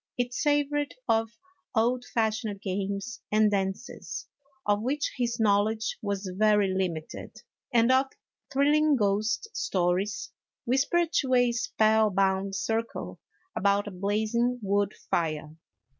It savored of old fashioned games and dances (of which his knowl edge was very limited), and of thrilling ghost stories whispered to a spellbound circle about a blazing wood fire.